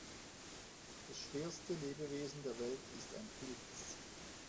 Das schwerste Lebewesen der Welt ist ein Pilz.